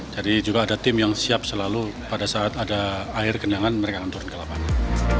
jadi juga ada tim yang siap selalu pada saat ada air kenangan mereka akan turun ke lapangan